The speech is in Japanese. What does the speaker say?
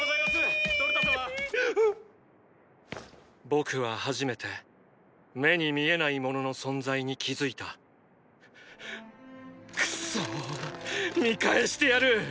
僕は初めて目に見えないものの存在に気付いたくそぅ見返してやる！